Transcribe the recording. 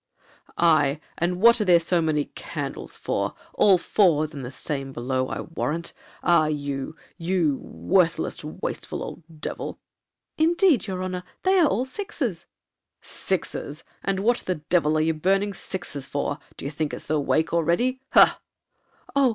'Aye, and what are there so many candles for, all fours, and the same below I warrant. Ah! you—you—worthless, wasteful old devil.' 'Indeed, your honor, they are all sixes.' 'Sixes,—and what the devil are you burning sixes for, d'ye think it's the wake already? Ha?'